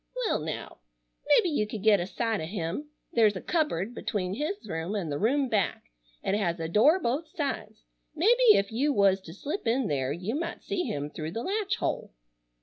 "Well now. Mebbe you could get a sight o' him. There's a cupboard between his room an' the room back. It has a door both sides. Mebbe ef you was to slip in there you might see him through the latch hole.